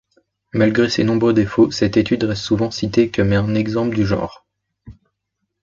Malgré ses nombreux défauts, cette étude reste souvent citée comme un exemple du genre.